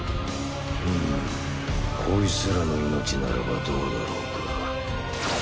ふむコイツらの命ならばどうだろうか。